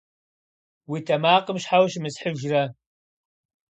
Уи тэмакъым щхьэ ущымысхьыжрэ?